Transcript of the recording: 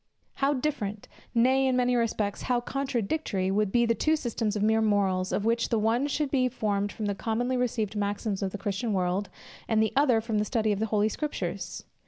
How different, nay, in many respects, how contradictory, would be the two systems of mere morals, of which the one should be formed from the commonly received maxims of the Christian world, and the other from the study of the Holy Scriptures!